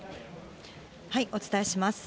お伝えします。